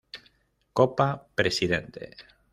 Copa Presidente